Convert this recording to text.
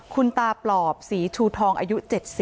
คุณตาปลอบศรีชูทองอายุ๗๐